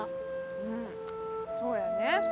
うんそうやね。